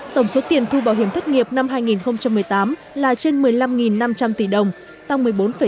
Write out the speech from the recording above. tổng số tiền thu bảo hiểm thất nghiệp năm hai nghìn một mươi tám là trên một mươi năm năm trăm linh tỷ đồng tăng một mươi bốn năm